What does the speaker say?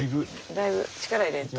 だいぶ力入れんと。